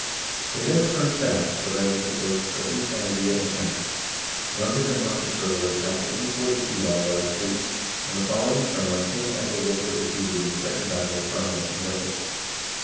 They then turned south to ravage the coasts of East Anglia and Kent. London and Rochester were at tacked in 842 by a large fleet, and the following summer King yEthel wulf was defeated in the second battle of Charmouth, in Wessex.